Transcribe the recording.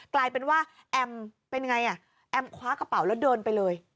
กลายเป็นว่าแอมเป็นไงอ่ะแอมคว้ากระเป๋าแล้วเดินไปเลย